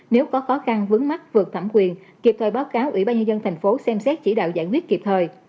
nếu có khó khăn vướng mắt vượt thẩm quyền kịp thời báo cáo ủy ban nhân dân tp xem xét chỉ đạo giải quyết kịp thời